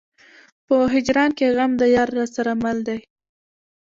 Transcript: په هجران کې غم د يار راسره مل دی.